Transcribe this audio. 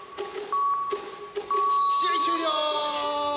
試合終了！